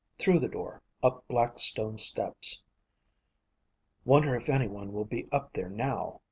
Through the door, up black stone steps. Wonder if anyone will be up there now.